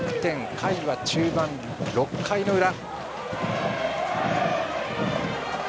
回は中盤６回の裏。